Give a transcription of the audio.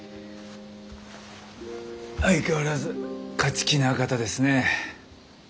相変わらず勝ち気な方ですね。